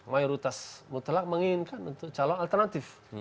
mayoritas mutlak menginginkan untuk calon alternatif